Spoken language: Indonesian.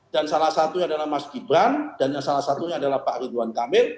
dan salah satunya adalah mas gibran dan yang salah satunya adalah pak ridwan kamil